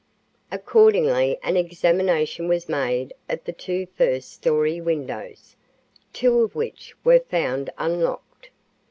Accordingly an examination was made of the two first story windows, two of which were found unlocked.